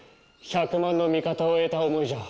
１００万の味方を得た思いじゃ。